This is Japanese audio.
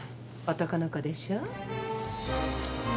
男の子でしょう。